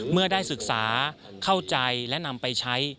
เมื่อได้ศึกษาเข้าใจและนำไปใช้